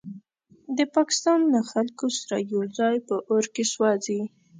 د پاکستان له خلکو سره یوځای په اور کې سوځي.